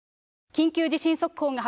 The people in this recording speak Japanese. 緊急地震速報です。